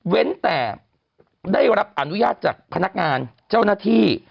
แต่ได้รับอนุญาตจากพนักงานเจ้าหน้าที่